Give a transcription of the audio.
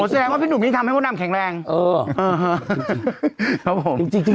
แสดงว่าพี่หนุ่มนี้ทำให้พ่อน้ำแข็งแรงเออเออครับผม